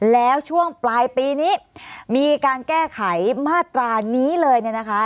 แล้วช่วงปลายปีนี้มีการแก้ไขมาตรานี้เลยเนี่ยนะคะ